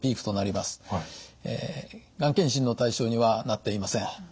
がん検診の対象にはなっていません。